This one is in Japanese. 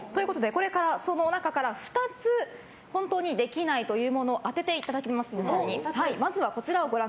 その中から２つ、本当にできないものを当てていただきます。